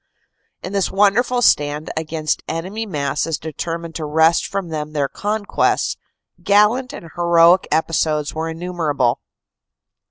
In this wonderful stand against enemy masses determined to wrest from them their conquests, gallant and heroic episodes were innumerable.